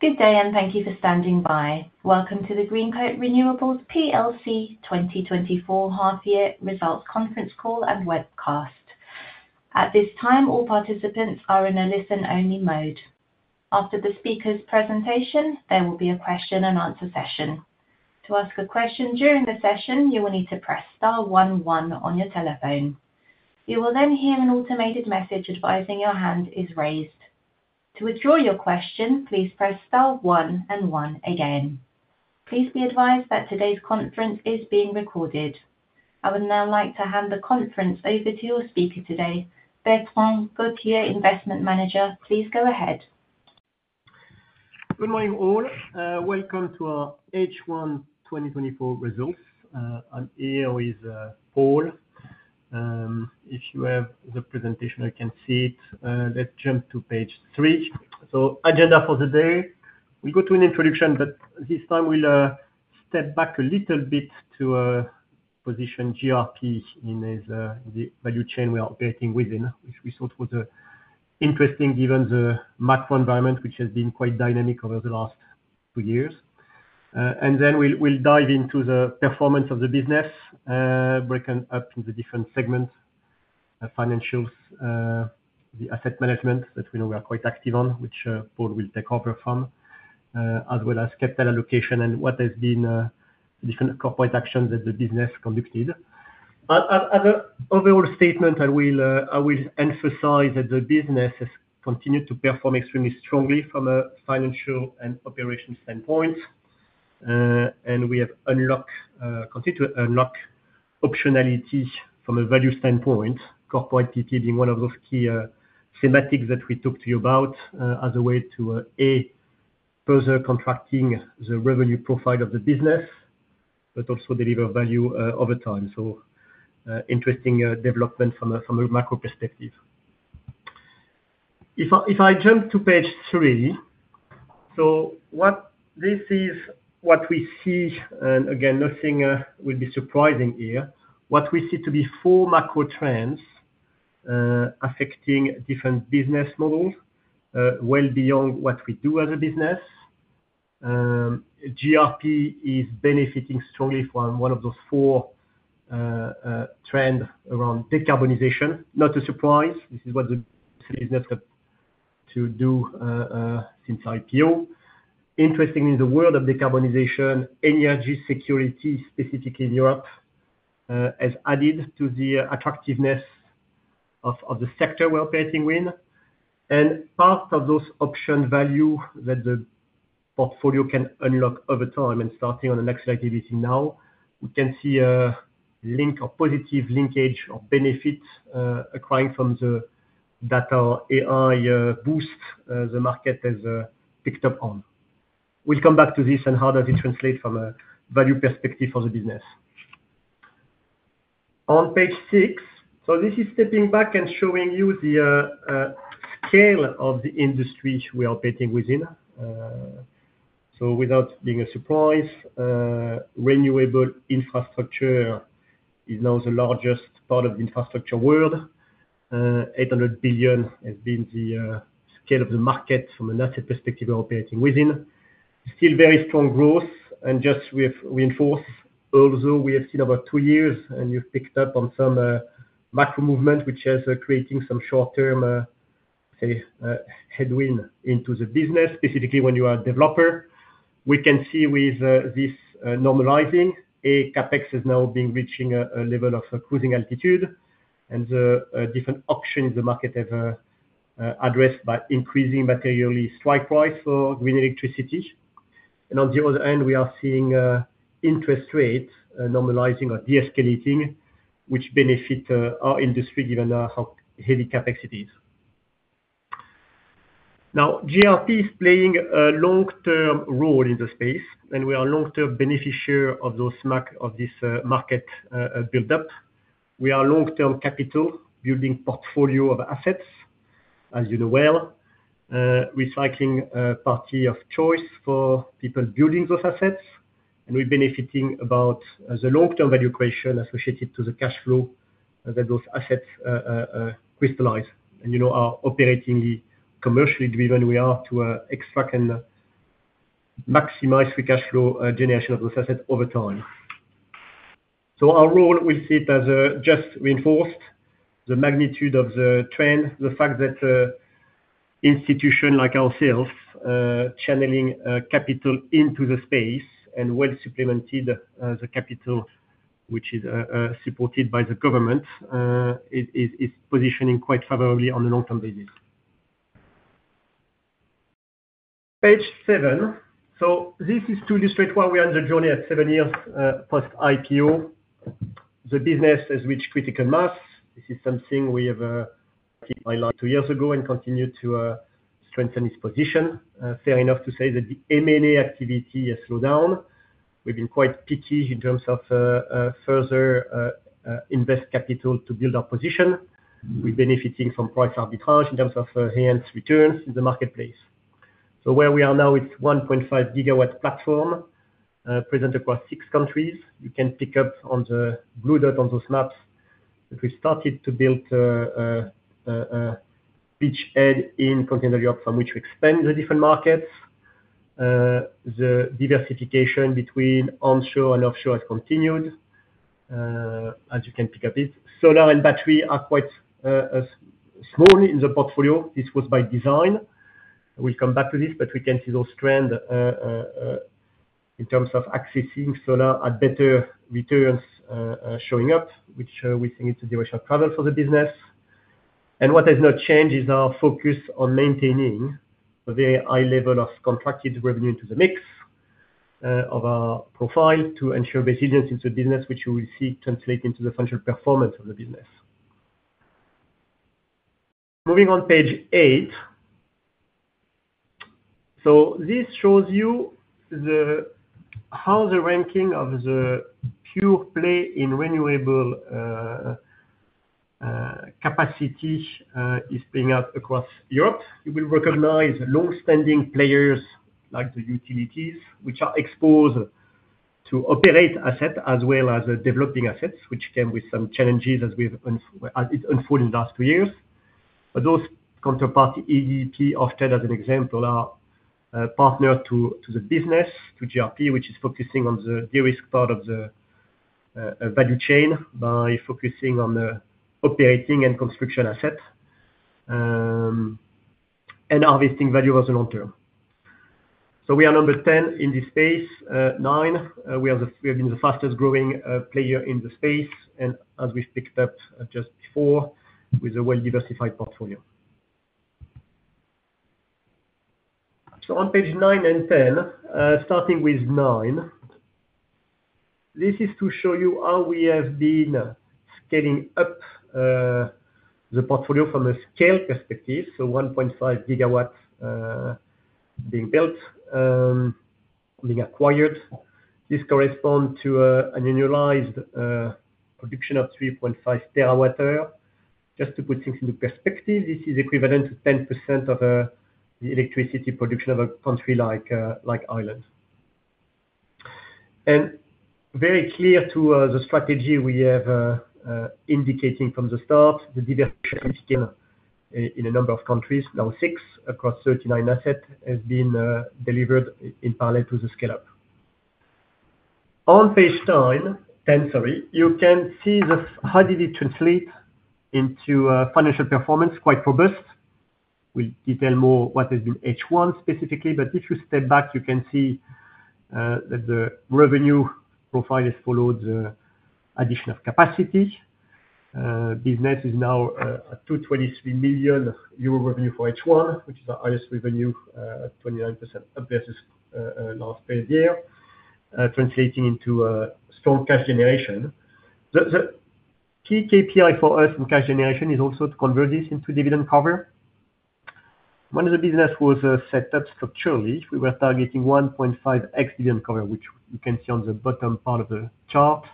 Good day, and thank you for standing by. Welcome to the Greencoat Renewables plc 2024 half year results conference call and webcast. At this time, all participants are in a listen-only mode. After the speaker's presentation, there will be a question and answer session. To ask a question during the session, you will need to press star one one on your telephone. You will then hear an automated message advising your hand is raised. To withdraw your question, please press star one and one again. Please be advised that today's conference is being recorded. I would now like to hand the conference over to your speaker today, Bertrand Gautier, investment manager. Please go ahead. Good morning, all. Welcome to our H1 2024 results. I'm here with Paul. If you have the presentation, I can see it. Let's jump to page three. Agenda for the day, we go to an introduction, but this time we'll step back a little bit to position GRP in the value chain we are operating within, which we thought was interesting given the macro environment, which has been quite dynamic over the last two years. And then we'll dive into the performance of the business, breaking up into the different segments, financials, the asset management that we know we are quite active on, which Paul will take over from, as well as capital allocation and what has been the different corporate actions that the business conducted. But as an overall statement, I will emphasize that the business has continued to perform extremely strongly from a financial and operational standpoint. And we have unlocked, continue to unlock optionality from a value standpoint, corporate PPA being one of those key thematics that we talked to you about, as a way to A, further contracting the revenue profile of the business, but also deliver value over time. So, interesting development from a macro perspective. If I jump to page three, so what this is, what we see, and again, nothing will be surprising here. What we see to be four macro trends affecting different business models well beyond what we do as a business. GRP is benefiting strongly from one of those four trends around decarbonization. Not a surprise, this is what the business has to do since IPO. Interestingly, in the world of decarbonization, energy security, specifically in Europe, has added to the attractiveness of the sector we're operating in. Part of those option value that the portfolio can unlock over time, and starting on the next activity now, we can see a link or positive linkage or benefit accruing from the data and AI boost the market has picked up on. We'll come back to this and how does it translate from a value perspective for the business. On page six, so this is stepping back and showing you the scale of the industry we are operating within. So without being a surprise, renewable infrastructure is now the largest part of the infrastructure world. €800 billion has been the scale of the market from an asset perspective we're operating within. Still very strong growth, and just we have reinforced, although we have seen about two years, and you've picked up on some macro movement, which has creating some short-term headwind into the business, specifically when you are a developer. We can see with this normalizing. CapEx has now been reaching a level of cruising altitude, and the different options the market has addressed by increasing materially strike price for green electricity. On the other hand, we are seeing interest rates normalizing or de-escalating, which benefit our industry given how heavy CapEx it is. Now, GRP is playing a long-term role in the space, and we are long-term beneficiary of those macro trends of this market build up. We are long-term capital building portfolio of assets, as you know well. Recycling party of choice for people building those assets, and we're benefiting about the long-term value creation associated to the cash flow that those assets crystallize, and you know, are operating commercially driven, we are to extract and maximize the cash flow generation of those assets over time, so our role, we see it as just reinforced the magnitude of the trend. The fact that institution like ourselves channeling capital into the space and well supplemented the capital which is supported by the government is positioning quite favorably on a long-term basis. Page seven. So this is to illustrate where we are in the journey at seven years post IPO. The business has reached critical mass. This is something we have two years ago and continued to strengthen its position. Fair enough to say that the M&A activity has slowed down. We've been quite picky in terms of further invest capital to build our position. We're benefiting from price arbitrage in terms of enhanced returns in the marketplace. So where we are now, it's 1.5 gigawatt platform present across six countries. You can pick up on the blue dot on those maps. If we started to build a beachhead in Continental Europe, from which we expand the different markets. The diversification between onshore and offshore has continued as you can pick up this. Solar and battery are quite small in the portfolio. This was by design. We'll come back to this, but we can see those trends in terms of accessing solar at better returns showing up, which we think is the direction of travel for the business. What has not changed is our focus on maintaining a very high level of contracted revenue into the mix of our profile, to ensure resilience into the business, which you will see translate into the functional performance of the business. Moving on, page eight. This shows you how the ranking of the pure play in renewable capacity is playing out across Europe. You will recognize long-standing players like the utilities, which are exposed to operating assets, as well as developing assets, which came with some challenges as it unfolded in the last two years. But those counterparts, EDP, Orsted, as an example, are partners to the business, to GRP, which is focusing on the de-risk part of the value chain, by focusing on the operating and construction assets, and harvesting value over the long term. We are number 10 in this space, nine. We have been the fastest growing player in the space, and as we've picked up just before, with a well-diversified portfolio. So on page 9 and 10, starting with 9. This is to show you how we have been scaling up the portfolio from a scale perspective, so 1.5 gigawatts being built being acquired. This correspond to an annualized production of 3.5 terawatt hour. Just to put things into perspective, this is equivalent to 10% of the electricity production of a country like Ireland. Very clear to the strategy we have indicating from the start, the diversification in a number of countries, now six across 39 assets, has been delivered in parallel to the scale-up. On page nine, ten sorry, you can see how it translated into financial performance, quite robust. We'll detail more what has been H1 specifically, but if you step back, you can see that the revenue profile has followed the additional capacity. Business is now at 223 million euro revenue for H1, which is our highest revenue, 29% up versus last year. Translating into strong cash generation. The key KPI for us in cash generation is also to convert this into dividend cover. When the business was set up structurally, we were targeting 1.5x dividend cover, which you can see on the bottom part of the chart,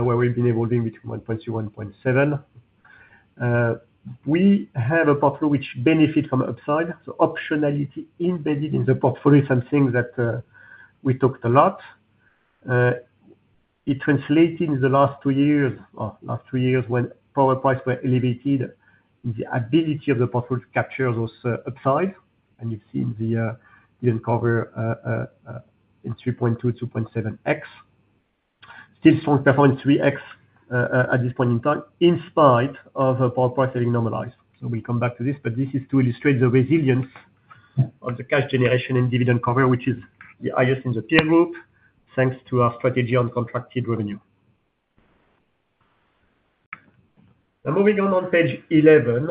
where we've been evolving between 1.2-1.7. We have a portfolio which benefits from upside, so optionality embedded in the portfolio, something that we talked a lot. It translated in the last two years, or last three years, when power prices were elevated, the ability of the portfolio to capture those, upside, and you've seen the, dividend cover, in 3.2x, 2.7x. Still strong performance 3x, at this point in time, in spite of power pricing normalize. So we come back to this, but this is to illustrate the resilience of the cash generation and dividend cover, which is the highest in the peer group, thanks to our strategy on contracted revenue. Now moving on, on page 11,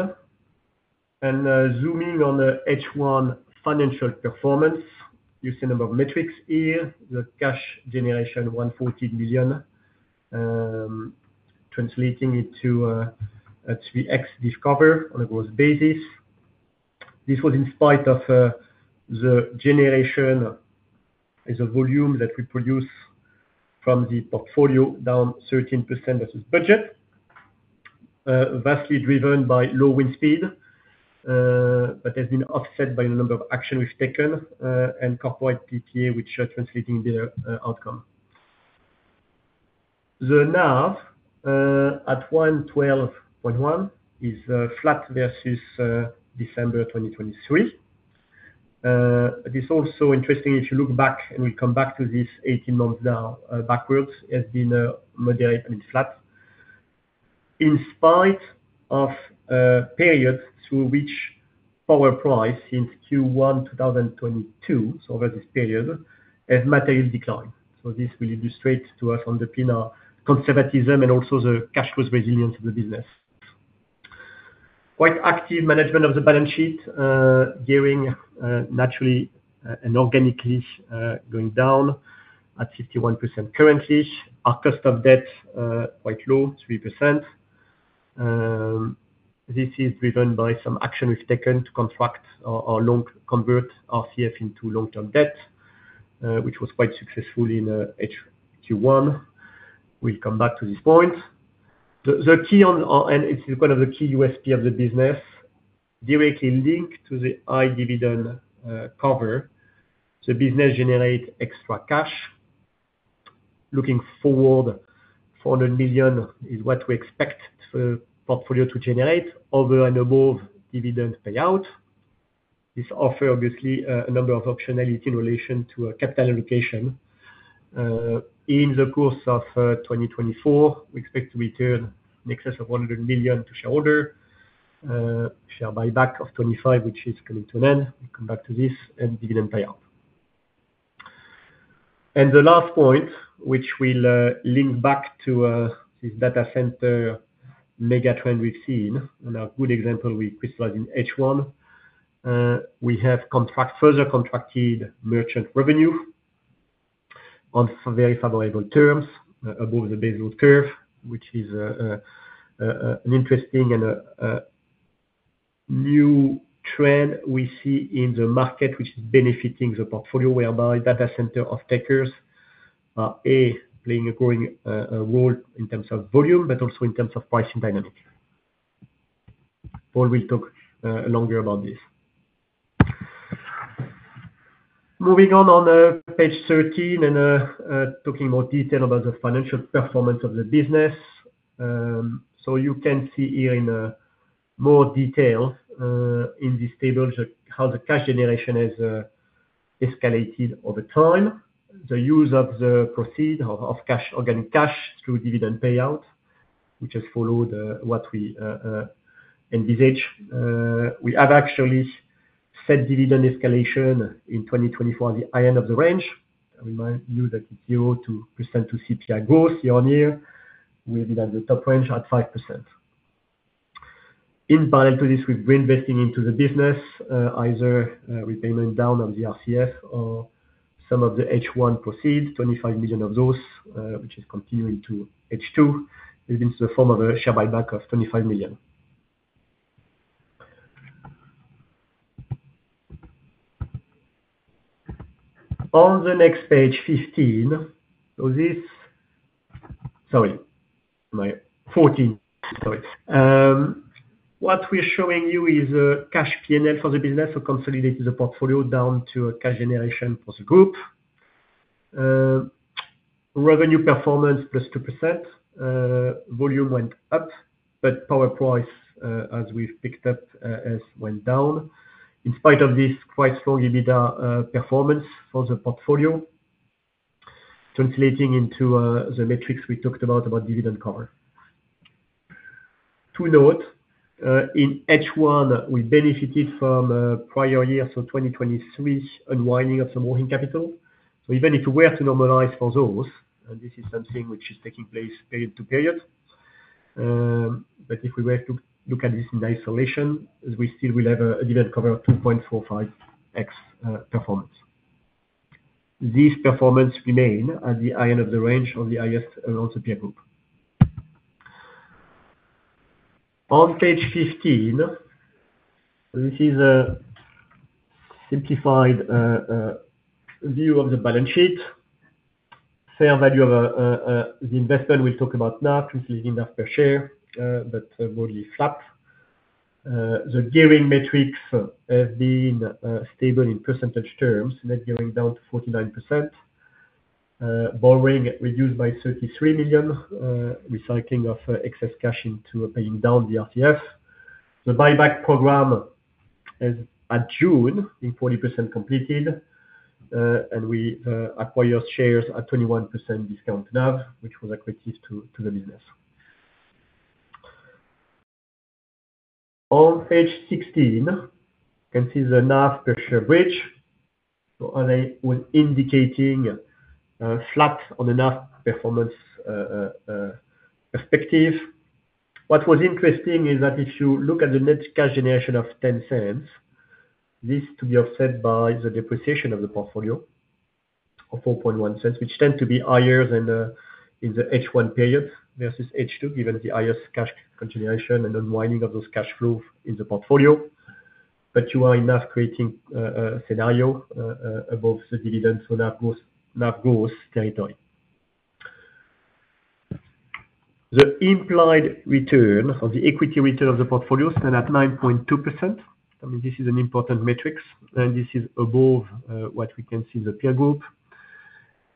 and, zooming on the H1 financial performance. You see a number of metrics here, the cash generation, 140 million, translating it to, actually EPS cover on a gross basis. This was in spite of the generation as a volume that we produce from the portfolio down 13% versus budget, vastly driven by low wind speed, but has been offset by the number of action we've taken and corporate PPA, which are translating their outcome. The NAV at 112.1 is flat versus December 2023. It is also interesting, if you look back, and we come back to this 18 months now backwards, it's been moderate and flat, in spite of periods through which power price since Q1 2022, so over this period, has material decline. So this will illustrate to us underneath our conservatism and also the cash flow resilience of the business. Quite active management of the balance sheet, gearing, naturally and organically, going down at 51% currently. Our cost of debt, quite low, 3%. This is driven by some action we've taken to convert RCF into long-term debt, which was quite successful in H1. We'll come back to this point. The key one, and it's kind of the key USP of the business, directly linked to the high dividend cover. The business generate extra cash. Looking forward, 400 million is what we expect the portfolio to generate, over and above dividend payout. This offer obviously a number of optionality in relation to a capital allocation. In the course of 2024, we expect to return in excess of 100 million to shareholder. Share buyback of 25, which is coming to an end. We come back to this and dividend payout. The last point, which will link back to this data center mega trend we've seen, and a good example we crystallized in H1. We have further contracted merchant revenue on very favorable terms above the baseload curve, which is an interesting and a new trend we see in the market, which is benefiting the portfolio, whereby data center off-takers are playing a growing role in terms of volume, but also in terms of pricing dynamic. Paul will talk longer about this. Moving on to page 13 and talking in more detail about the financial performance of the business. So you can see here in more detail in this table, just how the cash generation has escalated over time. The use of the proceeds of organic cash through dividend payout, which has followed what we envisage. We have actually set dividend escalation in 2024, the high end of the range. I remind you that it's 0% to CPI growth year-on-year, will be at the top range at 5%. In parallel to this, we're reinvesting into the business, either repayment down on the RCF or some of the H1 proceeds, 25 million of those, which is continuing to H2, into the form of a share buyback of 25 million. On the next page, fifteen. So this... Sorry, my fourteen, sorry. What we're showing you is cash P&L for the business, so consolidated the portfolio down to a cash generation for the group. Revenue performance +2%, volume went up, but power price, as we've picked up, has went down. In spite of this quite strong EBITDA performance for the portfolio, translating into the metrics we talked about, about dividend cover. To note, in H1, we benefited from prior years of 2023, unwinding of some working capital. So even if we were to normalize for those, and this is something which is taking place period to period, but if we were to look at this in isolation, we still will have a dividend cover of two point four five X performance. This performance remains at the high end of the range on the highest amount of peer group. On page 15, this is a simplified view of the balance sheet. Fair value of the investment we'll talk about now, which is one euro per share, but mostly flat. The gearing metrics have been stable in percentage terms, net gearing down to 49%. Borrowing reduced by 33 million, recycling of excess cash into paying down the RCF. The buyback program as at June is 40% completed, and we acquired shares at 21% discount NAV, which was accretive to the business. On page 16, you can see the NAV per share bridge. So as they were indicating flat on the NAV performance perspective. What was interesting is that if you look at the net cash generation of 0.10, this to be offset by the depreciation of the portfolio of 0.041, which tend to be higher than in the H1 period versus H2, given the highest cash continuation and unwinding of those cash flow in the portfolio. But you are enough creating scenario above the dividend, so NAV growth territory. The implied return or the equity return of the portfolio stand at 9.2%. I mean, this is an important metrics, and this is above what we can see in the peer group.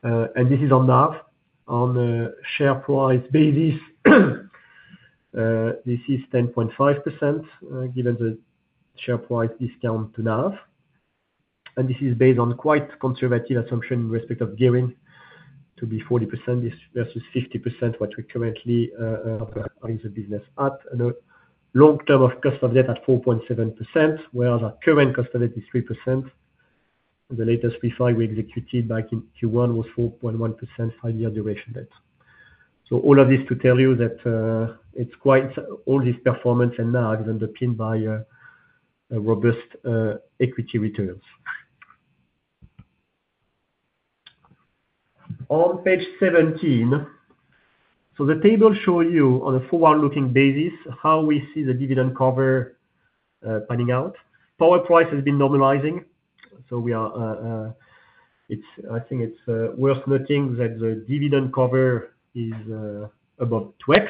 This is on NAV. On a share price basis, this is 10.5%, given the share price discount to NAV. This is based on quite conservative assumption with respect of gearing to be 40% versus 50%, what we currently price the business at. And a long term of cost of debt at 4.7%, whereas our current cost of debt is 3%. The latest refi we executed back in Q1 was 4.1%, five-year duration debt. So all of this to tell you that it's quite all this performance and NAV has been underpinned by a robust equity returns. On page 17, so the table show you on a forward-looking basis, how we see the dividend cover panning out. Power price has been normalizing, so we are. I think it's worth noting that the dividend cover is above 2x.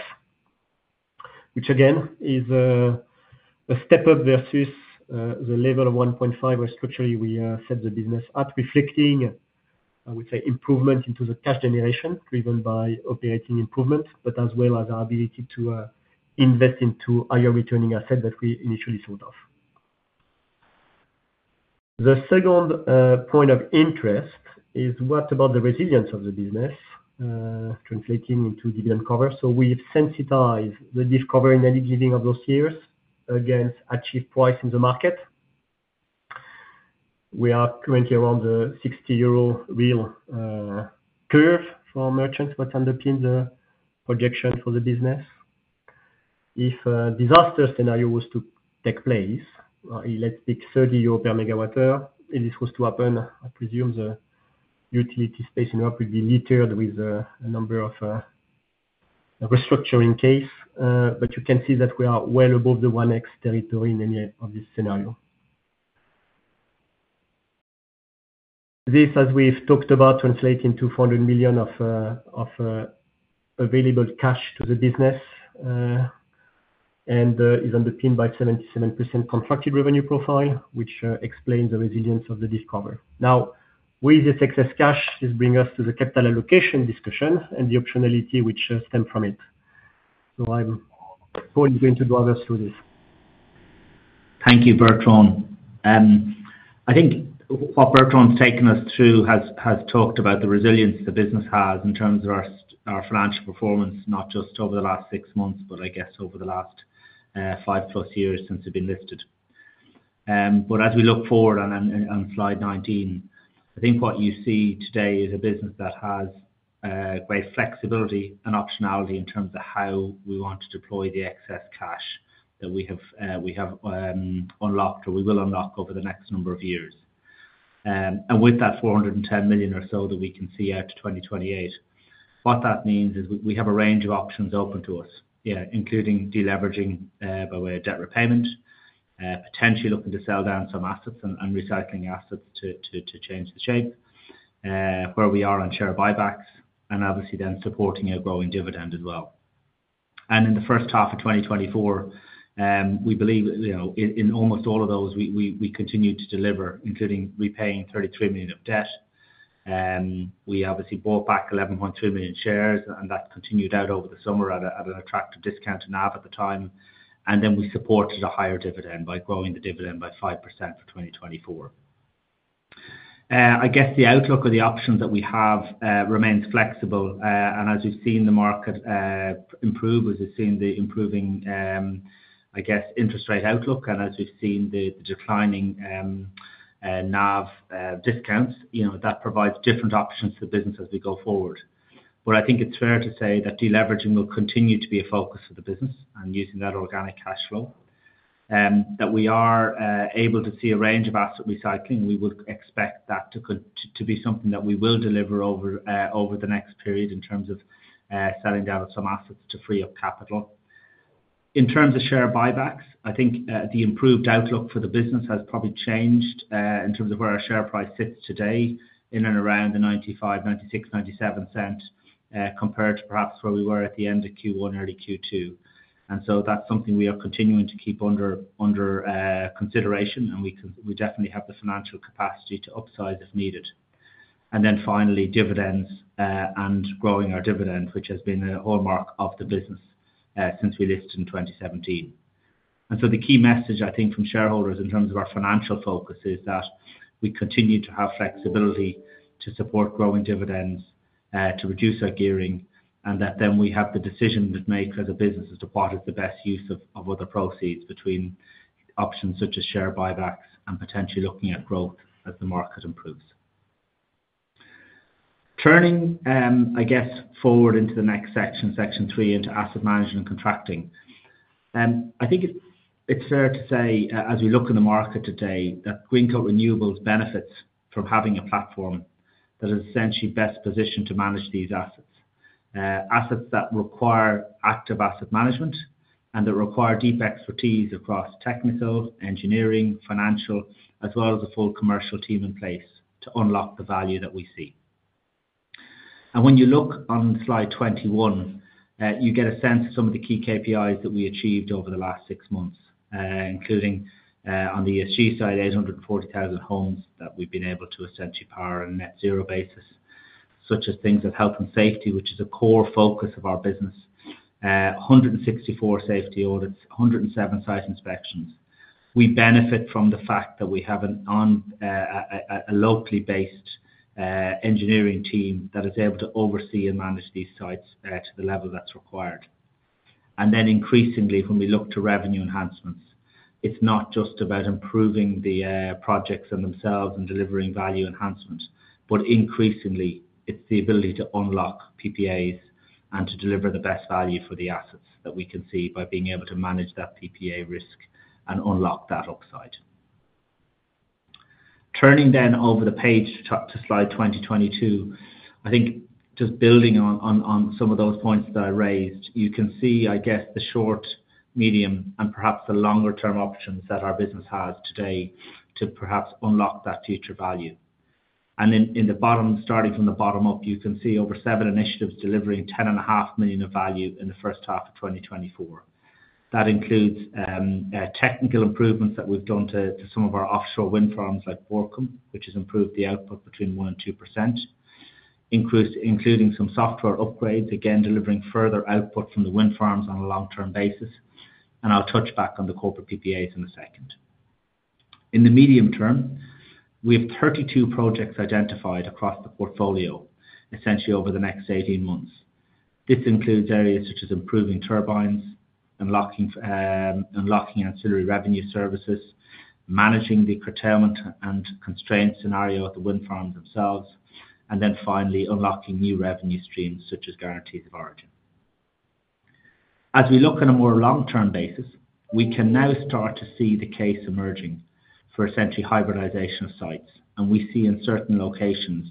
which again, is, a step up versus, the level of one point five where structurally we, set the business at reflecting, I would say, improvement into the cash generation, driven by operating improvement, but as well as our ability to, invest into higher returning asset that we initially sold off. The second, point of interest is what about the resilience of the business, translating into dividend cover? So we've sensitized the dividend cover and earnings of those years against achieved price in the market. We are currently around the 60 euro real, curve for merchant, what underpins the projection for the business. If a disaster scenario was to take place, let's take 30 euros per MWh, and this was to happen, I presume the utility space in Europe will be littered with, a number of, restructuring case. But you can see that we are well above the 1x territory in any of this scenario. This, as we've talked about, translating to 400 million of available cash to the business. And is underpinned by 77% constructed revenue profile, which explains the resilience of the dividend. Now, with this excess cash, this brings us to the capital allocation discussion and the optionality which stems from it. So Colin is going to walk us through this. Thank you, Bertrand. I think what Bertrand's taken us through has talked about the resilience the business has in terms of our financial performance, not just over the last six months, but I guess over the last 5+ years since we've been listed, but as we look forward on slide 19, I think what you see today is a business that has great flexibility and optionality in terms of how we want to deploy the excess cash that we have unlocked or we will unlock over the next number of years, and with that 410 million or so that we can see out to 2028, what that means is we have a range of options open to us. Yeah, including deleveraging by way of debt repayment, potentially looking to sell down some assets and recycling assets to change the shape where we are on share buybacks, and obviously then supporting a growing dividend as well. In the first half of 2024, we believe, you know, in almost all of those, we continued to deliver, including repaying 33 million of debt. We obviously bought back 11.2 million shares, and that continued out over the summer at an attractive discount to NAV at the time. We then supported a higher dividend by growing the dividend by 5% for 2024. I guess the outlook or the options that we have remains flexible. And as you've seen the market improve, as you've seen the improving, I guess, interest rate outlook, and as we've seen the declining NAV discounts, you know, that provides different options for the business as we go forward. But I think it's fair to say that deleveraging will continue to be a focus of the business and using that organic cash flow that we are able to see a range of asset recycling. We would expect that to be something that we will deliver over the next period in terms of selling down some assets to free up capital. In terms of share buybacks, I think the improved outlook for the business has probably changed in terms of where our share price sits today, in and around 0.95-0.97, compared to perhaps where we were at the end of Q1, early Q2. And so that's something we are continuing to keep under consideration, and we definitely have the financial capacity to upsize if needed. And then finally, dividends and growing our dividend, which has been a hallmark of the business since we listed in 2017. So the key message, I think, from shareholders in terms of our financial focus, is that we continue to have flexibility to support growing dividends, to reduce our gearing, and that then we have the decision to make as a business as to what is the best use of other proceeds, between options such as share buybacks and potentially looking at growth as the market improves. Turning, I guess, forward into the next section, section three, into asset management and contracting. I think it's fair to say as we look in the market today, that Greencoat Renewables benefits from having a platform that is essentially best positioned to manage these assets. Assets that require active asset management and that require deep expertise across technical, engineering, financial, as well as the full commercial team in place to unlock the value that we see. And when you look on slide 21, you get a sense of some of the key KPIs that we achieved over the last six months, including, on the ESG side, 840,000 homes that we've been able to essentially power on a net zero basis, such as things as health and safety, which is a core focus of our business. 164 safety audits, 107 site inspections. We benefit from the fact that we have a locally based engineering team that is able to oversee and manage these sites to the level that's required. And then increasingly, when we look to revenue enhancements, it's not just about improving the projects themselves and delivering value enhancements, but increasingly, it's the ability to unlock PPAs and to deliver the best value for the assets that we can see by being able to manage that PPA risk and unlock that upside. Turning then over the page to slide 22, I think just building on some of those points that I raised, you can see, I guess, the short, medium, and perhaps the longer term options that our business has today to perhaps unlock that future value. And in the bottom, starting from the bottom up, you can see over seven initiatives delivering 10.5 million of value in the first half of 2024. That includes technical improvements that we've done to some of our offshore wind farms like Borkum, which has improved the output between 1% and 2%. Including some software upgrades, again, delivering further output from the wind farms on a long-term basis, and I'll touch back on the corporate PPAs in a second. In the medium term, we have 32 projects identified across the portfolio, essentially over the next 18 months. This includes areas such as improving turbines, unlocking ancillary revenue services, managing the curtailment and constraint scenario of the wind farms themselves, and then finally, unlocking new revenue streams such as guarantees of origin. As we look on a more long-term basis, we can now start to see the case emerging for essentially hybridization of sites. We see in certain locations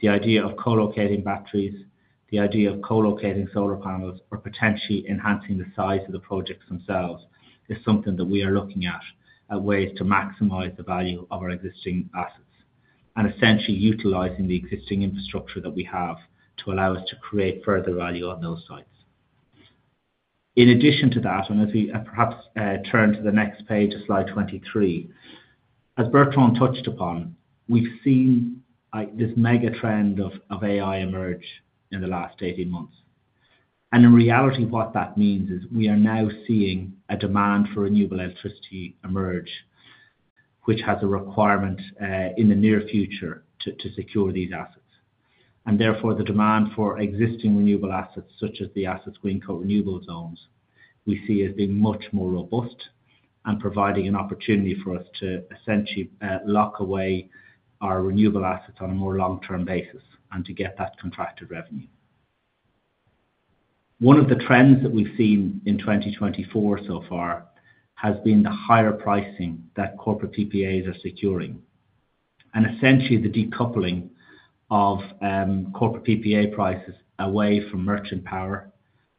the idea of co-locating batteries, the idea of co-locating solar panels or potentially enhancing the size of the projects themselves, is something that we are looking at ways to maximize the value of our existing assets, and essentially utilizing the existing infrastructure that we have to allow us to create further value on those sites. In addition to that, and as we perhaps turn to the next page, to slide 23. As Bertrand touched upon, we've seen, like, this mega trend of AI emerge in the last 18 months. In reality, what that means is we are now seeing a demand for renewable electricity emerge, which has a requirement in the near future to secure these assets. And therefore, the demand for existing renewable assets, such as the assets Greencoat Renewables owns, we see as being much more robust and providing an opportunity for us to essentially lock away our renewable assets on a more long-term basis and to get that contracted revenue. One of the trends that we've seen in 2024 so far has been the higher pricing that corporate PPAs are securing, and essentially the decoupling of corporate PPA prices away from merchant power,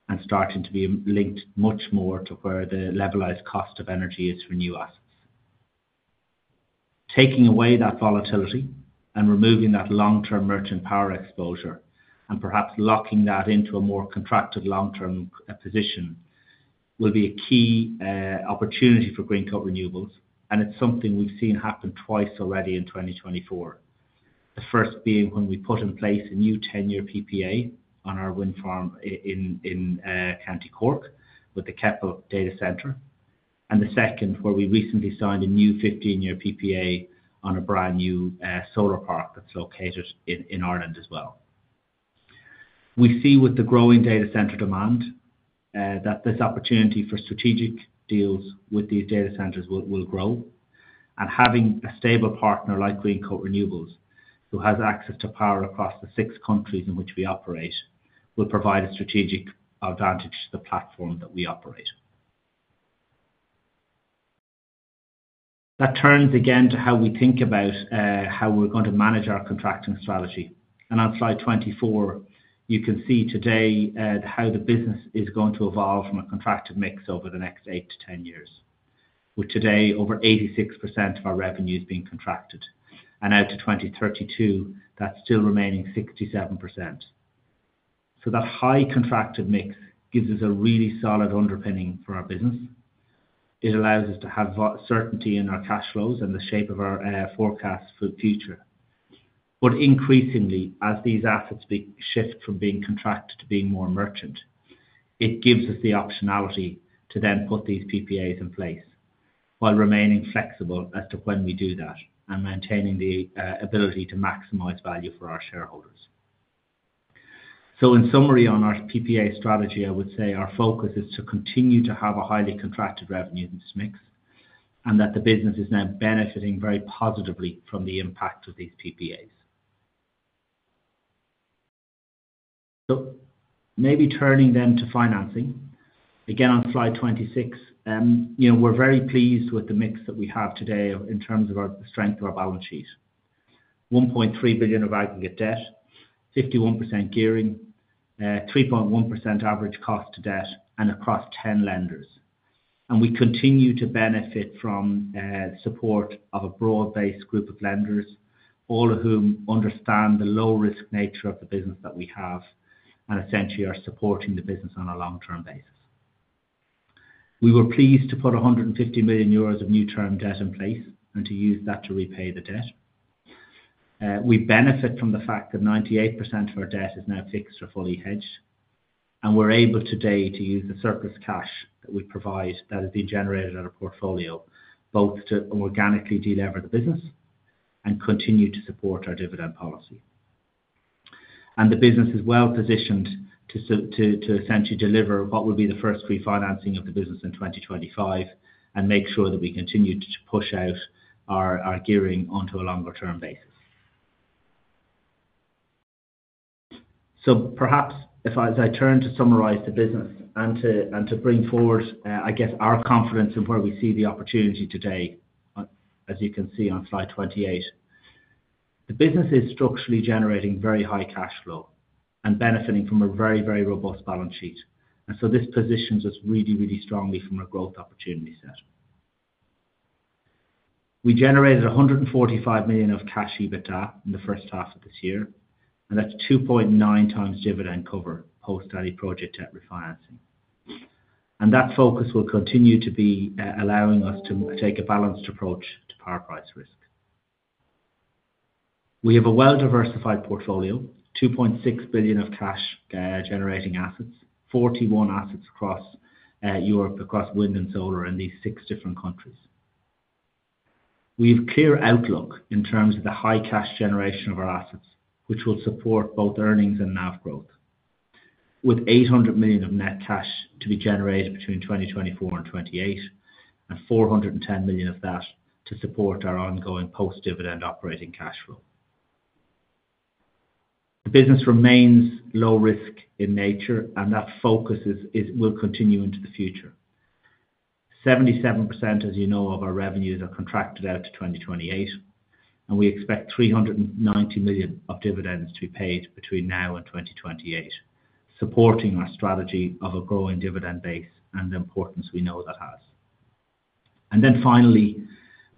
and starting to be linked much more to where the levelized cost of energy is for new assets. Taking away that volatility and removing that long-term merchant power exposure, and perhaps locking that into a more contracted long-term position, will be a key opportunity for Greencoat Renewables, and it's something we've seen happen twice already in 2024. The first being when we put in place a new ten-year PPA on our wind farm in County Cork with the Keppel data center, and the second, where we recently signed a new fifteen-year PPA on a brand new solar park that's located in Ireland as well. We see with the growing data center demand that this opportunity for strategic deals with these data centers will grow. And having a stable partner like Greencoat Renewables, who has access to power across the six countries in which we operate, will provide a strategic advantage to the platform that we operate. That turns again to how we think about how we're going to manage our contracting strategy. And on slide 24, you can see today how the business is going to evolve from a contracted mix over the next eight to ten years. With today, over 86% of our revenue is being contracted, and out to 2032, that's still remaining 67%. So that high contracted mix gives us a really solid underpinning for our business. It allows us to have certainty in our cash flows and the shape of our forecasts for the future. But increasingly, as these assets shift from being contracted to being more merchant, it gives us the optionality to then put these PPAs in place, while remaining flexible as to when we do that, and maintaining the ability to maximize value for our shareholders. So in summary, on our PPA strategy, I would say our focus is to continue to have a highly contracted revenues mix, and that the business is now benefiting very positively from the impact of these PPAs. So maybe turning then to financing. Again, on slide 26, you know, we're very pleased with the mix that we have today in terms of our strength of our balance sheet. 1.3 billion of aggregate debt, 51% gearing, 3.1% average cost to debt, and across 10 lenders. We continue to benefit from support of a broad-based group of lenders, all of whom understand the low-risk nature of the business that we have, and essentially are supporting the business on a long-term basis. We were pleased to put 150 million euros of new term debt in place, and to use that to repay the debt. We benefit from the fact that 98% of our debt is now fixed or fully hedged, and we're able today to use the surplus cash that we provide, that is being generated at our portfolio, both to organically de-lever the business and continue to support our dividend policy. The business is well positioned to essentially deliver what will be the first refinancing of the business in 2025, and make sure that we continue to push out our gearing onto a longer-term basis. Perhaps if I, as I turn to summarize the business and to bring forward, I guess, our confidence in where we see the opportunity today, as you can see on slide 28. The business is structurally generating very high cash flow and benefiting from a very, very robust balance sheet, and so this positions us really, really strongly from a growth opportunity set. We generated 145 million of Cash EBITDA in the first half of this year, and that's 2.9x dividend cover, post any project debt refinancing. That focus will continue to be allowing us to take a balanced approach to power price risk. We have a well-diversified portfolio, 2.6 billion of cash generating assets, 41 assets across Europe, across wind and solar in these six different countries. We have a clear outlook in terms of the high cash generation of our assets, which will support both earnings and NAV growth, with 800 million of net cash to be generated between 2024 and 2028, and 410 million of that to support our ongoing post-dividend operating cash flow. The business remains low risk in nature, and that focus will continue into the future. 77%, as you know, of our revenues are contracted out to 2028, and we expect 390 million of dividends to be paid between now and 2028, supporting our strategy of a growing dividend base and the importance we know that has. Then finally,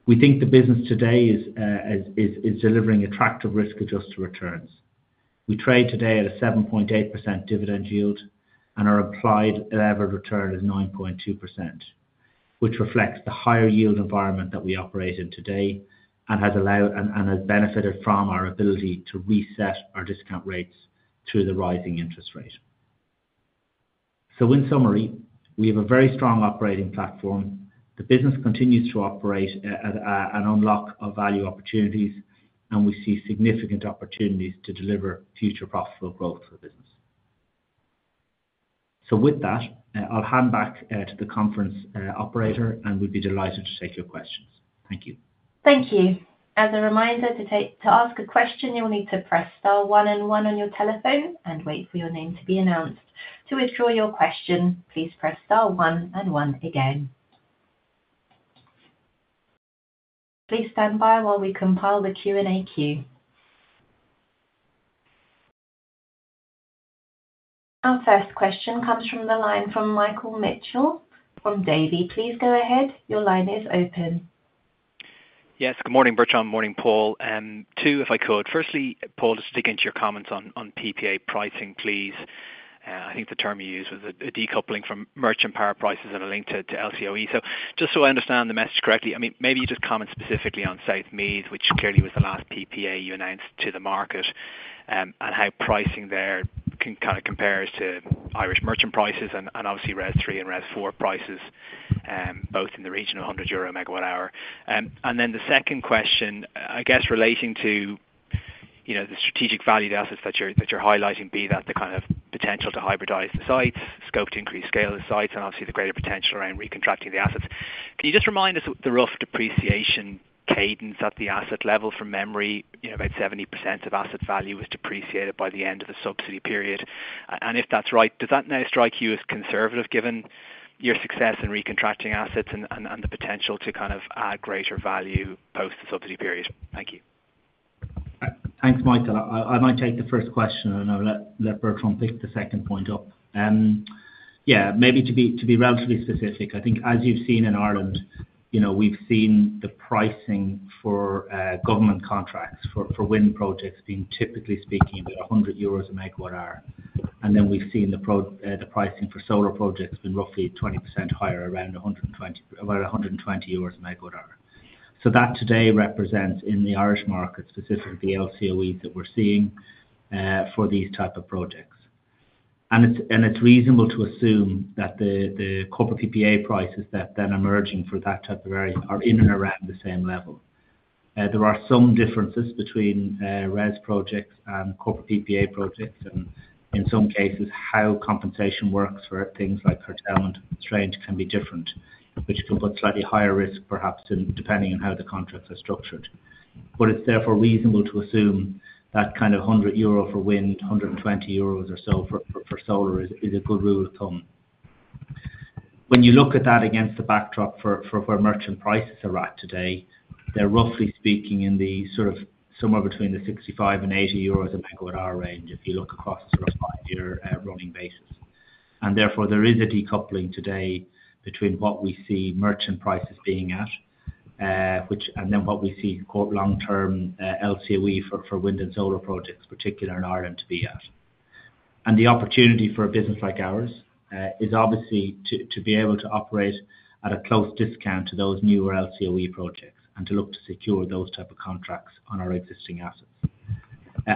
we think the business today is delivering attractive risk-adjusted returns. We trade today at a 7.8% dividend yield, and our applied average return is 9.2%, which reflects the higher yield environment that we operate in today, and has allowed and has benefited from our ability to reset our discount rates to the rising interest rate. In summary, we have a very strong operating platform. The business continues to operate at and unlock our value opportunities, and we see significant opportunities to deliver future profitable growth for the business. With that, I'll hand back to the conference operator, and we'll be delighted to take your questions. Thank you. Thank you. As a reminder, to ask a question, you'll need to press star one and one on your telephone and wait for your name to be announced. To withdraw your question, please press star one and one again. Please stand by while we compile the Q&A queue. Our first question comes from the line from Michael Mitchell from Davy. Please go ahead. Your line is open. Yes, good morning, Bertrand. Morning, Paul. Two, if I could. Firstly, Paul, just digging into your comments on PPA pricing, please. I think the term you used was a decoupling from merchant power prices and a link to LCOE. So just so I understand the message correctly, I mean, maybe you just comment specifically on South Meath, which clearly was the last PPA you announced to the market, and how pricing there can kind of compares to Irish merchant prices and obviously RESS 3 and RESS 4 prices, both in the region of 100 EUR/MWh. And then the second question, I guess, relating to, you know, the strategic valued assets that you're highlighting, be that the kind of potential to hybridize the sites, scope to increase scale of the sites, and obviously the greater potential around recontracting the assets. Can you just remind us what the rough depreciation cadence at the asset level from memory, you know, about 70% of asset value was depreciated by the end of the subsidy period? And if that's right, does that now strike you as conservative, given your success in recontracting assets and the potential to kind of add greater value post the subsidy period? Thank you. Thanks, Michael. I might take the first question, and I'll let Bertrand pick the second point up. Yeah, maybe to be relatively specific, I think as you've seen in Ireland, you know, we've seen the pricing for government contracts for wind projects being, typically speaking, about 100 euros a megawatt hour. And then we've seen the pricing for solar projects being roughly 20% higher, around 120, about 120 euros a megawatt hour. So that today represents in the Irish market, specifically the LCOE that we're seeing for these type of projects. And it's reasonable to assume that the corporate PPA prices that then are emerging for that type of area are in and around the same level. There are some differences between RES projects and corporate PPA projects, and in some cases, how compensation works for things like curtailment and constraint can be different, which can put slightly higher risk, perhaps, in depending on how the contracts are structured. But it's therefore reasonable to assume that kind of 100 euro for wind, 120 euros or so for solar is a good rule of thumb. When you look at that against the backdrop for where merchant prices are at today, they're roughly speaking, somewhere 65-80 euros per MWh if you look across a rough five-year running basis. And therefore, there is a decoupling today between what we see merchant prices being at, which... And then what we see long-term, LCOE for wind and solar projects, particularly in Ireland, to be at. And the opportunity for a business like ours is obviously to be able to operate at a close discount to those newer LCOE projects, and to look to secure those type of contracts on our existing assets.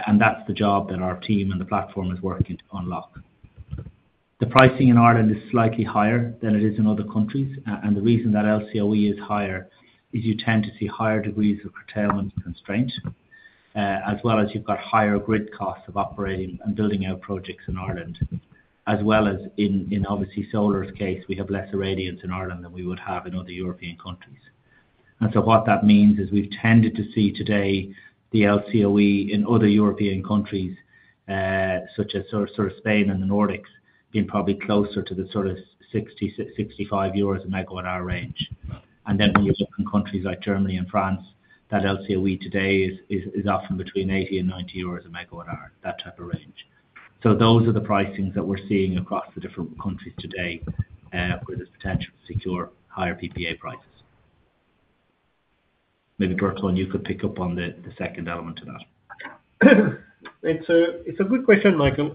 And that's the job that our team and the platform is working to unlock. The pricing in Ireland is slightly higher than it is in other countries, and the reason that LCOE is higher is you tend to see higher degrees of curtailment constraint, as well as you've got higher grid costs of operating and building out projects in Ireland, as well as in obviously solar's case, we have less irradiance in Ireland than we would have in other European countries. And so what that means is we've tended to see today the LCOE in other European countries, such as sort of Spain and the Nordics, being probably closer to the sort of 60-65 euros per MWh range. And then when you look in countries like Germany and France, that LCOE today is often between 80 and 90 euros per MWh, that type of range. So those are the pricings that we're seeing across the different countries today, where there's potential to secure higher PPA prices. Maybe Bertrand, you could pick up on the second element to that. It's a good question, Michael.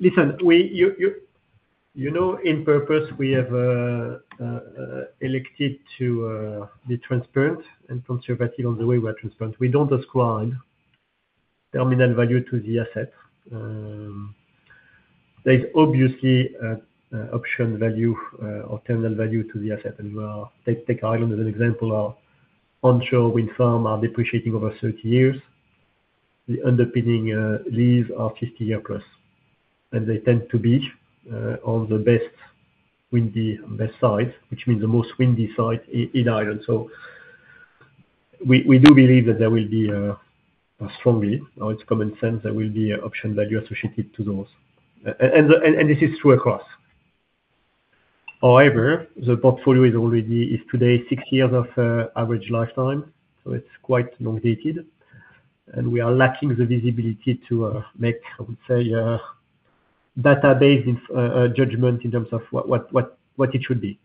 Listen, you know, on purpose, we have elected to be transparent and conservative on the way we are transparent. We don't ascribe terminal value to the asset. There's obviously an option value or terminal value to the asset as well. Take Ireland as an example, our onshore wind farms are depreciating over 30 years. The underpinning leases are 50-year+, and they tend to be on the best windy best site, which means the most windy site in Ireland. So we do believe that there will be a strong wind, or it's common sense, there will be an option value associated to those. And this is true across. However, the portfolio is already, is today, six years of average lifetime, so it's quite long dated, and we are lacking the visibility to make, I would say, data-based judgment in terms of what it should be,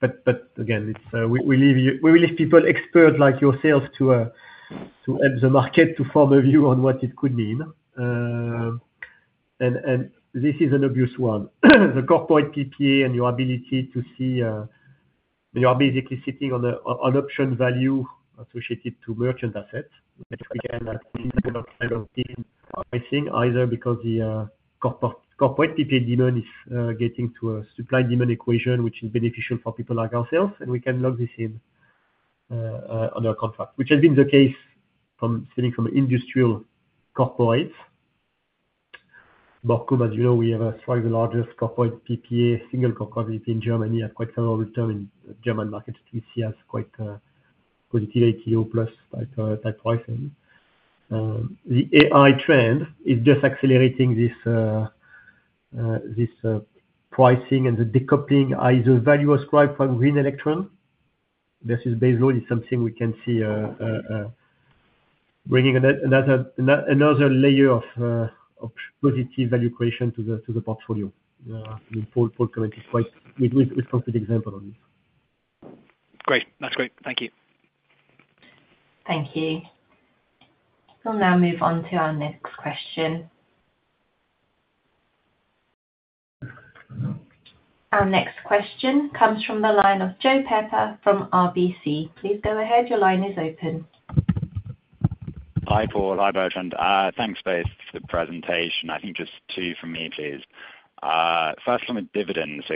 but again, it's we leave people, expert like yourselves, to help the market to form a view on what it could mean, and this is an obvious one. The corporate PPA and your ability to see, you are basically sitting on a option value associated to merchant assets, but again, pricing, either because the corporate PPA demand is getting to a supply/demand equation, which is beneficial for people like ourselves, and we can lock this in on a contract. Which has been the case from selling from industrial corporates. But as you know, we have probably the largest corporate PPA, single corporate in Germany, and quite well return in German market, we see as quite positive GO plus type pricing. The AI trend is just accelerating this pricing and the decoupling, either value ascribed from green electron. This is baseline, is something we can see bringing another layer of positive value creation to the portfolio. Paul commented quite... It's a good example on this. Great. That's great. Thank you. Thank you. We'll now move on to our next question. Our next question comes from the line of Joe Pepper from RBC. Please go ahead. Your line is open. Hi, Paul. Hi, Bertrand. Thanks both for the presentation. I think just two from me, please. First on the dividends,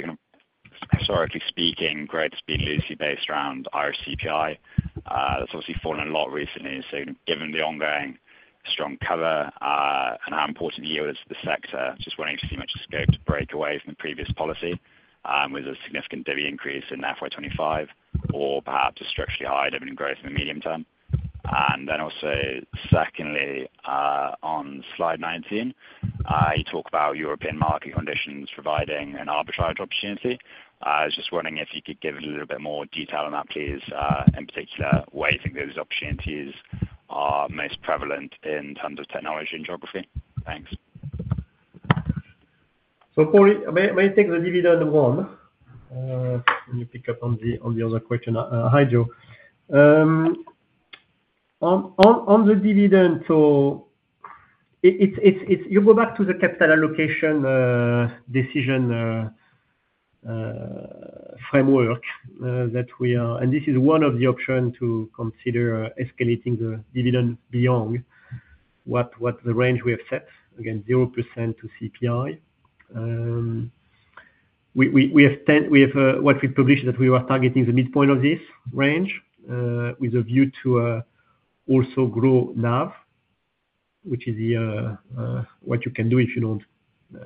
historically speaking, growth has been loosely based around RCPI. That's obviously fallen a lot recently. So given the ongoing strong cover, and how important yield is to the sector, just wanting to see much scope to break away from the previous policy, with a significant divvy increase in FY 2025, or perhaps a structurally higher dividend growth in the medium term. And then also, secondly, on slide 19, you talk about European market conditions providing an arbitrage opportunity. I was just wondering if you could give a little bit more detail on that, please, in particular, where you think those opportunities are most prevalent in terms of technology and geography? Thanks. Paul, may I take the dividend one? Let me pick up on the other question. Hi, Joe. On the dividend, so it's... You go back to the capital allocation decision framework that we are and this is one of the option to consider escalating the dividend beyond what the range we have set, again, 0% to CPI. We have what we published, that we were targeting the midpoint of this range with a view to also grow NAV, which is what you can do if you don't,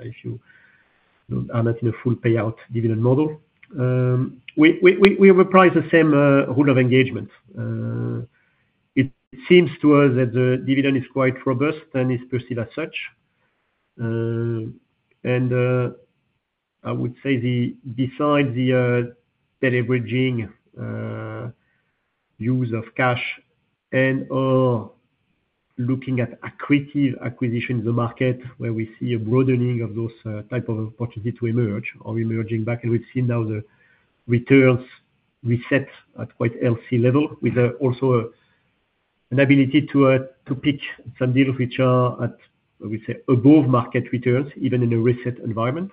if you are not in a full payout dividend model. We have applied the same rule of engagement. It seems to us that the dividend is quite robust and is perceived as such, and I would say, besides the deleveraging, use of cash and/or looking at accretive acquisition in the market, where we see a broadening of those type of opportunities to emerge or emerging back, and we've seen now the returns reset at quite healthy level, with also an ability to pick some deals which are at, we say, above market returns, even in a reset environment,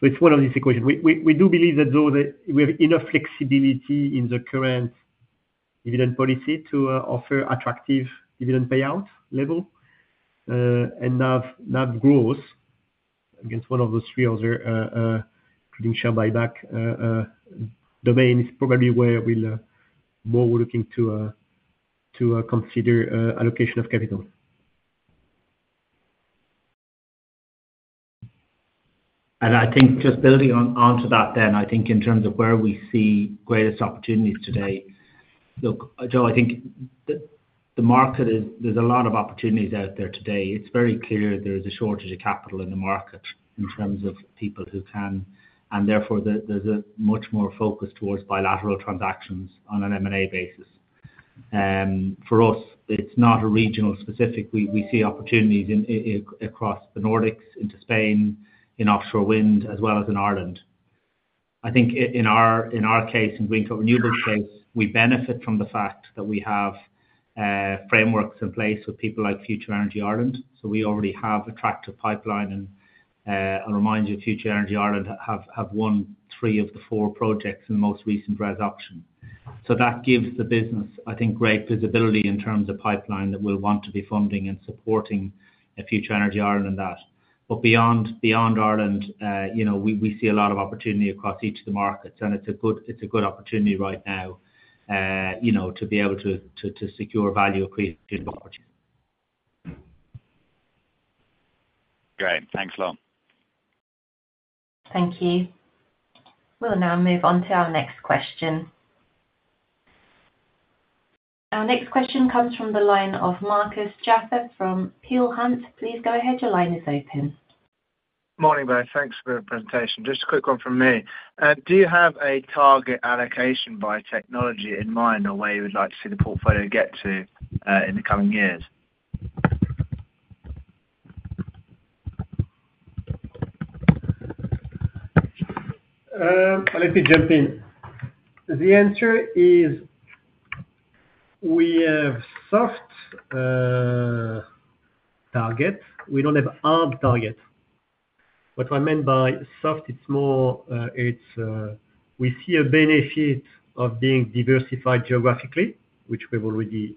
so it's one of these equations. We do believe that though we have enough flexibility in the current dividend policy to offer attractive dividend payout level, and NAV growth. Against one of the three other potential buyback domains, probably where we'll more we're looking to consider allocation of capital. I think just building on, onto that then, I think in terms of where we see greatest opportunities today. Look, Joe, I think the market is. There's a lot of opportunities out there today. It's very clear there is a shortage of capital in the market, in terms of people who can, and therefore, there's a much more focus towards bilateral transactions on an M&A basis. For us, it's not a regional specific. We see opportunities across the Nordics, into Spain, in offshore wind, as well as in Ireland. I think in our case, in Greencoat Renewables case, we benefit from the fact that we have frameworks in place with people like Future Energy Ireland. We already have attractive pipeline, and I'll remind you, Future Energy Ireland have won three of the four projects in the most recent RESS auction. That gives the business, I think, great visibility in terms of pipeline that we'll want to be funding and supporting Future Energy Ireland. But beyond Ireland, you know, we see a lot of opportunity across each of the markets, and it's a good opportunity right now, you know, to be able to secure value in the market. Great. Thanks a lot. Thank you. We'll now move on to our next question. Our next question comes from the line of Markuz Jaffe from Peel Hunt. Please go ahead, your line is open. Morning, both. Thanks for the presentation. Just a quick one from me. Do you have a target allocation by technology in mind, or where you would like to see the portfolio get to, in the coming years? Let me jump in. The answer is, we have soft target. We don't have hard target. What I mean by soft, it's more, we see a benefit of being diversified geographically, which we've already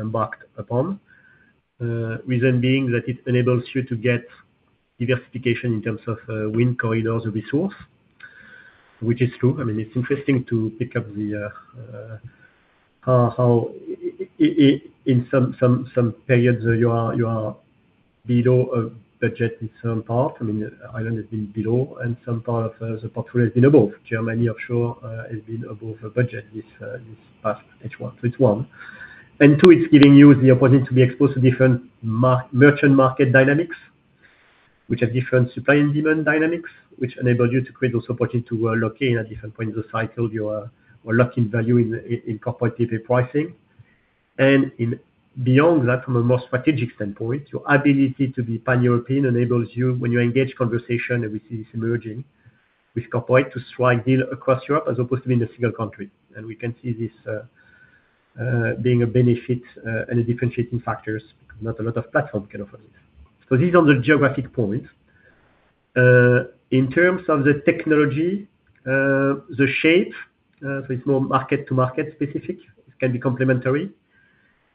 embarked upon. Reason being that it enables you to get diversification in terms of wind corridors of resource, which is true. I mean, it's interesting to pick up the how in some periods, you are below of budget in some part. I mean, Ireland has been below, and some part of the portfolio has been above. Germany offshore has been above our budget this past H1, so it's one. Two, it's giving you the opportunity to be exposed to different merchant market dynamics, which have different supply and demand dynamics, which enable you to create those opportunity to lock in at different points of the cycle, or lock in value in corporate pricing. Then beyond that, from a more strategic standpoint, your ability to be Pan-European enables you, when you engage conversation, which is emerging, with corporate to strike deal across Europe as opposed to be in a single country. We can see this being a benefit and a differentiating factors not a lot of platform can offer. These are the geographic points. In terms of the technology, the shape, so it's more market to market specific. It can be complementary,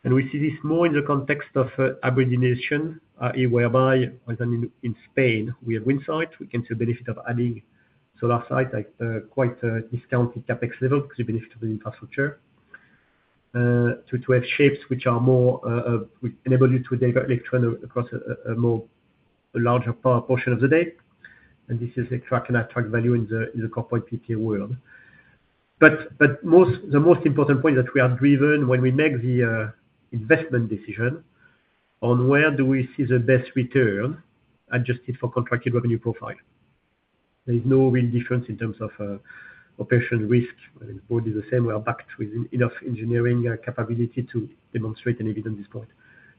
and we see this more in the context of hybridization, whereby, as in Spain, we have wind site. We can see the benefit of adding solar site, like quite a discounted CapEx level, because benefit to the infrastructure. To have shapes which are more even enable you to deliver electrons across a larger portion of the day, and this attracts value in the corporate PPA world. But the most important point that we are driven when we make the investment decision on where do we see the best return adjusted for contracted revenue profile? There is no real difference in terms of operational risk. I mean, both is the same. We are backed with enough engineering capability to demonstrate and evidence this point.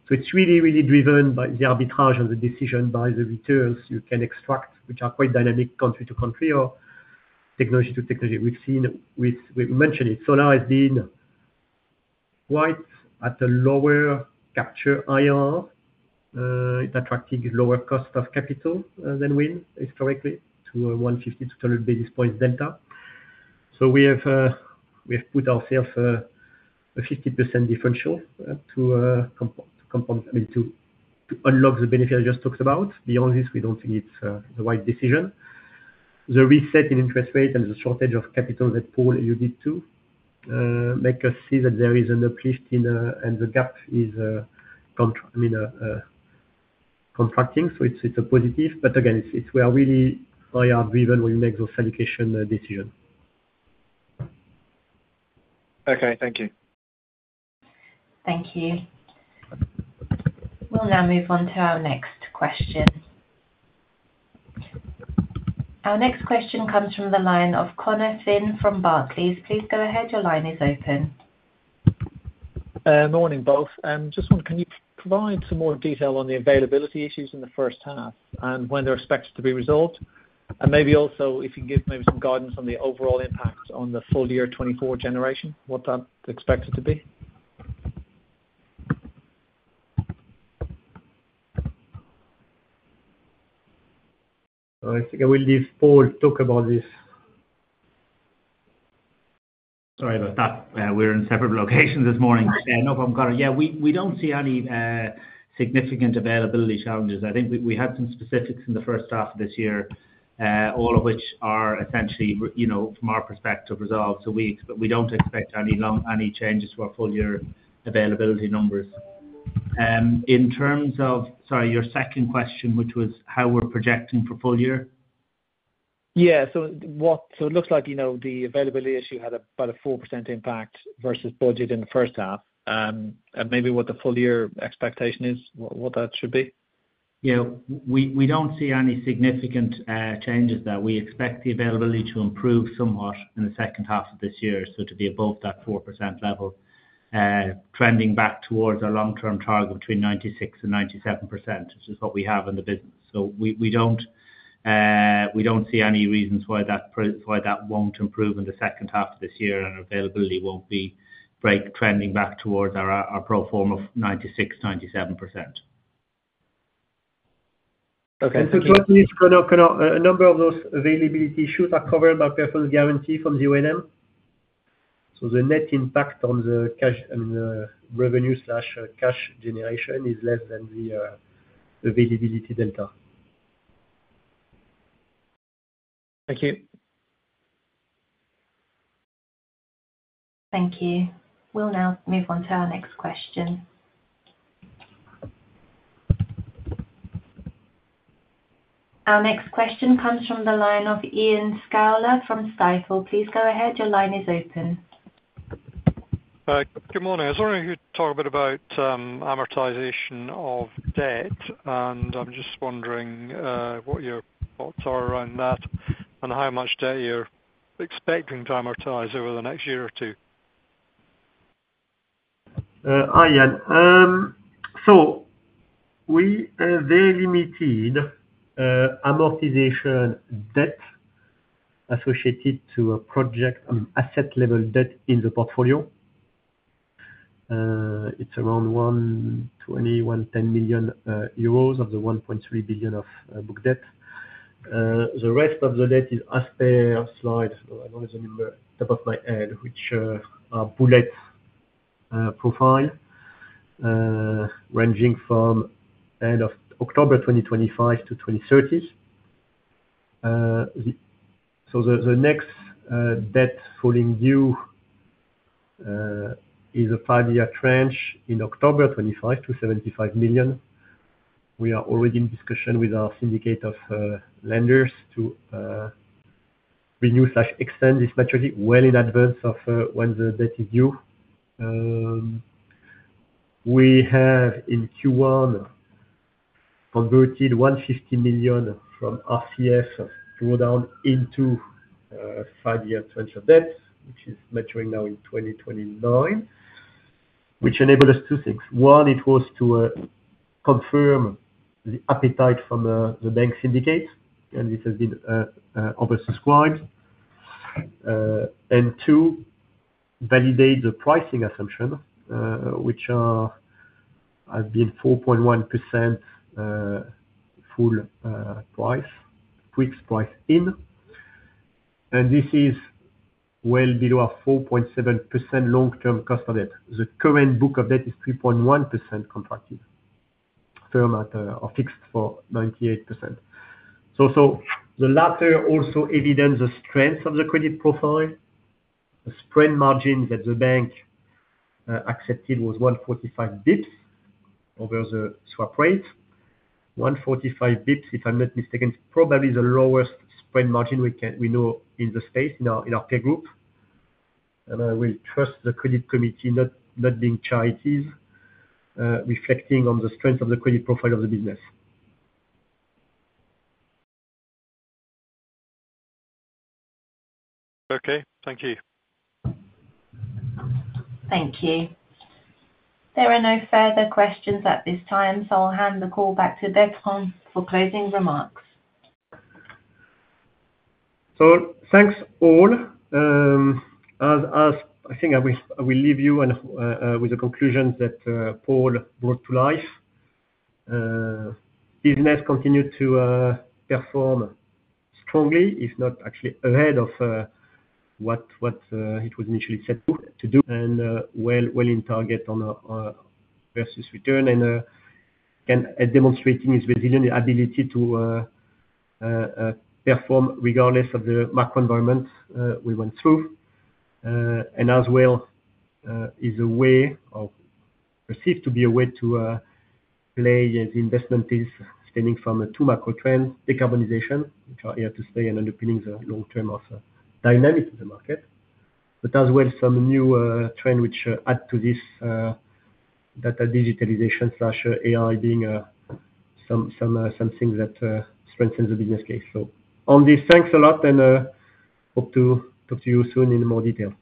So it's really, really driven by the arbitrage and the decision by the returns you can extract, which are quite dynamic country to country or technology to technology. We've mentioned it. Solar has been quite at a lower capture IRR. It's attracting lower cost of capital than wind historically to a 150-200 basis point delta. So we have put ourselves a 50% differential to compound. I mean, to unlock the benefit I just talked about. Beyond this, we don't think it's the right decision. The reset in interest rate and the shortage of capital that Paul alluded to make us see that there is an uplift in, and the gap is contracting, so it's a positive, but again, it's, we are really high driven. We make those allocation decision. Okay, thank you. Thank you. We'll now move on to our next question. Our next question comes from the line of Conor Finn from Barclays. Please go ahead. Your line is open. Morning, both. Just wonder, can you provide some more detail on the availability issues in the first half, and when they're expected to be resolved? And maybe also, if you can give maybe some guidance on the overall impact on the full year 2024 generation, what that's expected to be? I think I will leave Paul talk about this. Sorry about that. We're in separate locations this morning. Yeah. No problem, Conor. Yeah, we don't see any significant availability challenges. I think we had some specifics in the first half of this year, all of which are essentially, you know, from our perspective, resolved to weeks, but we don't expect any changes to our full year availability numbers. In terms of, sorry, your second question, which was how we're projecting for full year? Yeah. So what... So it looks like, you know, the availability issue had about a 4% impact versus budget in the first half, and maybe what the full year expectation is, what that should be?... You know, we don't see any significant changes there. We expect the availability to improve somewhat in the second half of this year, so to be above that 4% level, trending back towards our long-term target between 96%-97%, which is what we have in the business. So we don't see any reasons why that won't improve in the second half of this year, and availability won't be trending back towards our pro forma of 96%-97%. Okay. And so a number of those availability issues are covered by personal guarantee from the OEM. So the net impact on the cash and the revenue slash cash generation is less than the availability delta. Thank you. Thank you. We'll now move on to our next question. Our next question comes from the line of Iain Scouller from Stifel. Please go ahead. Your line is open. Good morning. I was wondering if you'd talk a bit about amortization of debt, and I'm just wondering what your thoughts are around that, and how much debt you're expecting to amortize over the next year or two? Hi, Iain. We have very limited amortization debt associated to a project on asset level debt in the portfolio. It's around 110 million-120 million euros of the 1.3 billion of book debt. The rest of the debt is as per slide. I don't have the number top of my head, which are bullet profile ranging from end of October 2025 to 2030. The next debt falling due is a five-year tranche in October 2025 to 75 million. We are already in discussion with our syndicate of lenders to renew slash extend this maturity well in advance of when the debt is due. We have, in Q1, converted 150 million from RCS of draw down into five-year tranche of debt, which is maturing now in 2029, which enabled us two things. One, it was to confirm the appetite from the bank syndicate, and it has been oversubscribed. And two, validate the pricing assumption, which are, have been 4.1% full price, fixed price in. And this is well below our 4.7% long-term cost of debt. The current book of debt is 3.1% contracted term or fixed for 98%. So the latter also evident the strength of the credit profile. The spread margin that the bank accepted was 145 basis points over the swap rate. 145 basis points, if I'm not mistaken, probably the lowest spread margin we know in the space, in our peer group. And I will trust the credit committee, not being charities, reflecting on the strength of the credit profile of the business. Okay. Thank you. Thank you. There are no further questions at this time, so I'll hand the call back to Bertrand for closing remarks. Thanks, all. As I think I will leave you with the conclusion that Paul brought to life. Business continued to perform strongly, if not actually ahead of what it was initially set to do, and well in target on NAV versus return, and demonstrating its resilient ability to perform regardless of the macro environment we went through, and as well is a way or perceived to be a way to play as investment stemming from two macro trends, decarbonization, which are here to stay and underpinning the long-term dynamic of the market. But as well, some new trend which add to this, data digitalization slash AI being some things that strengthens the business case. So on this, thanks a lot, and hope to talk to you soon in more detail.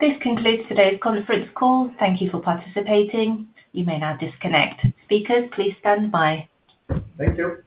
This concludes today's conference call. Thank you for participating. You may now disconnect. Speakers, please stand by. Thank you.